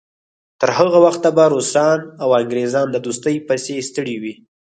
تر هغه وخته به روسان او انګریزان د دوستۍ پسې ستړي وي.